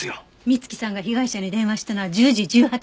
美月さんが被害者に電話したのは１０時１８分。